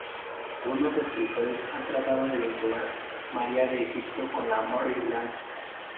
Algunos escritores han tratado de vincular María de Egipto con la "Morris dance".